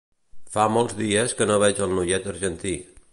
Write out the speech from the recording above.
Fa molts dies que no veig el noiet argentí